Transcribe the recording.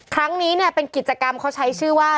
ครั้งนี้เนี่ยเป็นกิจกรรมเขาใช้ชื่อว่า